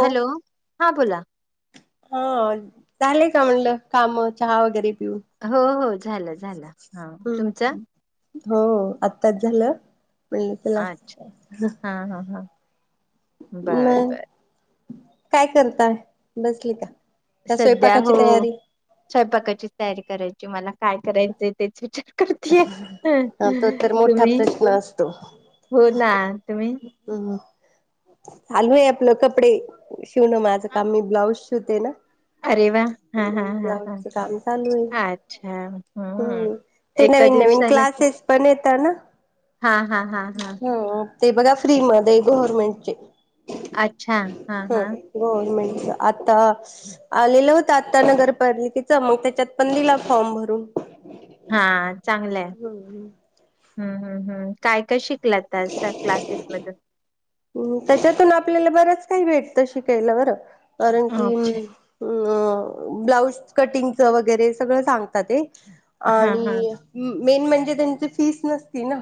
Hello हा बोला. हा झालेय का म्हणलं काम चहा वगैरे. पिऊन हो हो झालं झालं हा हम्म तुमच. हो आत्ताच झालं. मिेळतला. अच्छा हा हा हा बर बर. काय करताय बसली का. का सध्या स्वयंपाकाची हो तयारी स्वयंपाकाचीच तयारी करायची. तुम्हाला. काय करायचंय तेच विचार. करती हा तो तर मोठा तुम्ही प्रश्न असतो हो ना तुम्ही. ह चालू आहे आपलं कपडे. ठेवनं माझं काम मी ब्लाऊज. शिवते ना. अरे वा हा हा हा हा लाउच काम चालू आहेईल हम्म ते एका नवीन नवीन दिवसाला क्लासेस पण येत ना. हा हा हा हा ह ते बघा फ्री मध्ये गव्हर्मेंटचे अच्छा हा ह हा गव्हर्मेंटच आता आलेलं होत आता नगरपली तिच मग त्याच्यात पण दिला फॉर्म भरून हा चांगलं हम्म म काय काय शिक शलाता क्लासेस मधून ह त्याच्यातून आपल्याला बरंच काही भेटत शिकायला बरं कारण की अच्छा अ ब्लाउज कटिंगचं वगैरे सगळं सांगतात ते हा हा आणि मेन म्हणजे त्यांची फीस नसती ना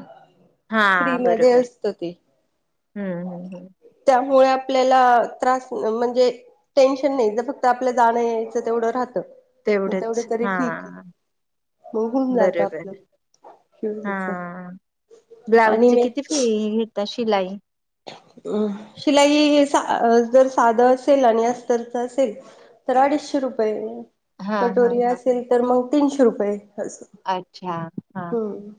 फ्री हां, म बरोबर. असत ते हं, हं, हं. त्यामुळे- आपल्याला त्रास म्हणजे टेन्शन नाही ज फक्त आपल्या जाणं यायचं तेवढं राहतं. मग तेवढंच तेवढं तरी हा ठीक मग होऊन जातं बरोबर आपलं हा शिवच आणि ब्लाउजचे मी किती फी घता शिलाई- अम शिलाई सा र साधं असेल आणि अस्तरच असेल तर अडीचशे रुपये. हां, हां, कटोरी हां. असेल तर मग- तीनशे रुपये. अस अच्छा. हां, हम्म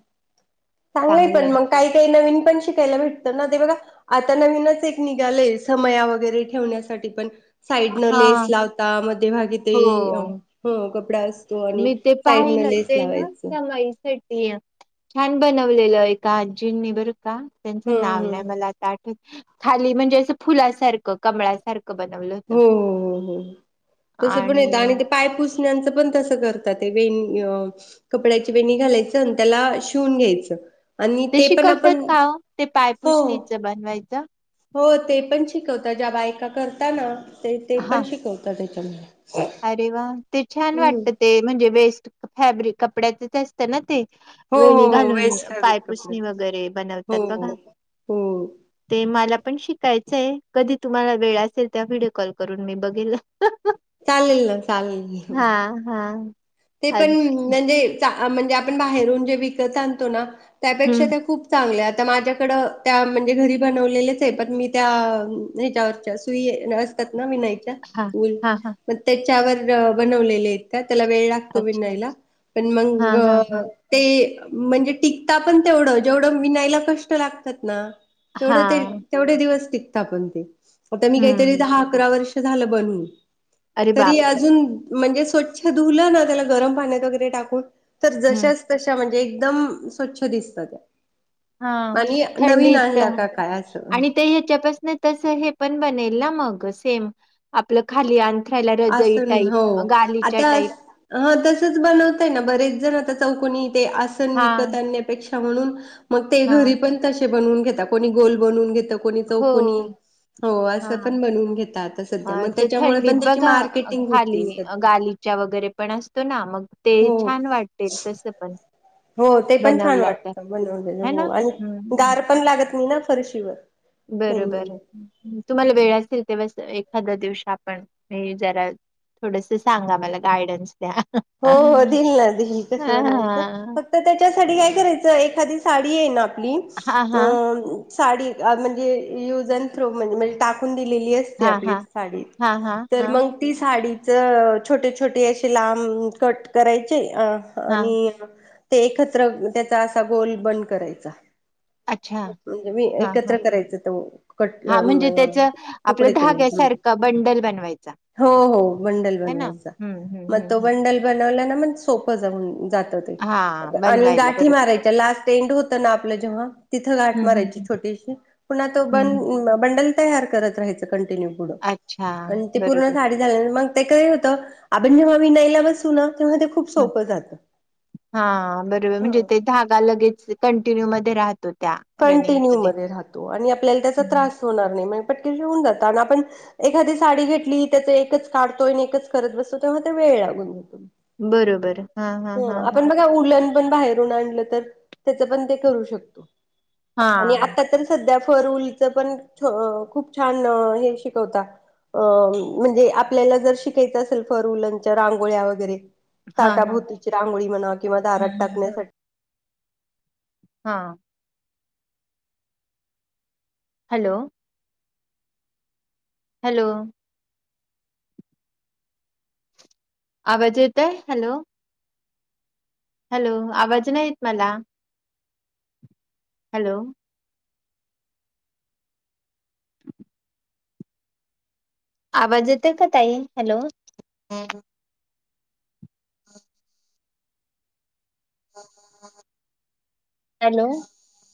चांगलंय चांगलं आहे. पण मग काही काही नवीन- पण शिकायला भेटत ना ते बघा- आता नवीनच एक निघाले समया वगैरे ठेवण्यासाठी पण - साईड न लेस हां, लावता मध्ये भाग ते हो. हम्म- पडास- मी ते पाहिलं ते ना समईसेठ- छान बनवलेलंय एका आजजींनी बरं का. त्यांचं हम्म नाव हम्म नाही मला आता आठवत. खाली म्हणजे असं फुलासारखं कमळासारखं- बनवलं होतं हो हो हो हो तस पण येत आणि ते पायपूस- ण्याच पण तस करतात वे कपड्याची वेणी घालायचं आणि त्याला शिवून घ्यायचं. आणि ते पण शिकवतात आपण का ओ? ते हो पायपुसणीचं बनवायचं? हो ते पण शिकवता ज्या बायका- तर. त्याना- ते ते हां. पण शिकवतात ते- [unintelligible] अरे वा ते छान वाटत ते म्हणजे बेस्ट- फॅब्रिक कपड्याचच असतं ना ते- हो हो वेणी हो घालून वेस्ट घालत कपडे पायपुसणी वगैरे हो बनवतात बघा हो हो ते मला पण शिकाय- कधी तुम्हाला वेळ असेल त्या व्हिडिओ कॉल करून मी बघेल. चाललेल ना चाललेल. हां हां. ते पण अच्छा म्हणजे चा- म्हणजे आपण बाहेरून जे विकत आणतो ना- त्यापेक्षा हं. त्या खूप चांगल्यात. माझ्याकड त्या म्हणजे घरी बनवलेलेचे पण मी त्या ह्याच्यावरच्या सुई असतात ना विनाय- हां, हां, हां. मग तेच- वर बनवलेलेत का त्याला वेळ लाग- अच्छा. विणायला पण मग हां, हां, हां. ते म्हणजे टिकता पण तेवढं जेवढं विनायला कष्ट लागतात ना तेवढ ते हां. तेवढे दिवस टी कता पण ते. आता मी काहीतरी हं. दहा अकरा वर्ष झालं बनवून. अरे तरी बापरे! अजून म्हणजे स्वच्छ धुलं ना त्याला गरम पाण्यात वगरे टाकून तर हं. जशाच तशा म्हणजे एक दम स्वच्छ दिसत त्या. हा आणि नवीन थंडीत आणला का काय असं आणि ते ह्याच्यापासन तस हे पण बनेल ना मग. सेम आपल खाली आली आसन हो आता टाईप ह तसच बनवतय ना बरेच जण आता चौकोनी ते आसन हा विकत आणण्यापेक्षा म्हणून मग ते हा घरी पण तश बनवून घेता कोणी गोल बनवून घेत कोणी हो चौकोनी हो हा असं पण बनवून घेता आता सध्या मग त्याच्यामुळे पण ते ह खाली गालीच्या वगैरे पण असतो ना मग ते हो छान वाटते तस पण. हो ते पण छान बनवला तर वाटत बनवलेल है ना हो आणि हम्म गार पण लागत नाही ना. फरशीवर. मेन बरोबर म्हणजे तुम्हाला वेळ असेल तेव्हाच एक खाद्या दिवशी आपण हे जरा थोडस सांगा मला गायडन्स द्या. हो हो दिल ना दिल हा कस बनवायचं फक्त त्याच्यासाठी काय करायचं एखादी साडी आहे ना आप ली हा अ हा साडी अ म्हणजे युज अँड थ्रो म्हण म्हणजे टाकून दिलेली असते हा आपली हा साडी हां, हां, तर हां, मग ती साडी त छोटे छोटे असे लांब कट करायचे अ हां. आणि ते एकत्र त्याचा असा गोल बन करायचा. अच्छा. म्हणजे मी हां, हां. एकत्र करायच तो कट अ हां, म्हणजे आ त्याचं आपलं तुकडे केले धाग्यासारखा बंडल बनवायचा, हो हो बंडल है ना? बनवायचा हं, हं, मग हं, तो हं. बंडल नन्यालमन सोपे जामल जात ते हां, आणि बनवायला गाठी बरोबर. मारायच्या लास्ट एंड होत ना आपलं जेव्हा तिथं गाठ हं, हं, मारायची हं. छोटीशी पुन्हा त ब हं, हं. बंडल तयार करत रायचं. कंटिन्यू पुढ अच्छा, पूर्ण बरोबर. साडी झाल्यानंतर मग ते काय होतं अ आपण जेव्हा विनायला बसतो तुना हा बरोबर हा म्हणजे ते धागा लगेच मध्ये राहत कंटिन्यू मध्ये राहतो आणि आपल्याला त्या हं. त्रास होणार नाही पटकन ते होऊन जात आपण एखादी साडी घेतली त्याच एकच काढतो आणि एकच करत बसतो तेव्हा ते वेळ लागतो. बरोबर हा हा हा हा. आपण बघा उलन पण बाहेरून आणलं तर त्याच पण ते करू शकतो. आणि हां, आता तर सध्या फरउलचं पण खूप छान हे शिकवता अ म्हणजे आपल्याला जर शिकायचं असेल फरउलांच्या रांगोळ्या वगैरे हां, हां. ताटाभोतीची रांगोळी म्हणा किंवा हं, दारात हं, हं. टाकण्यासाठी. हा. हॅलो. हॅलो. आवाज येत आहे हॅलो? हॅलो आवाज नाही येत मला. हॅलो [inaudible] आवाज येत का ताई हॅलो हॅलो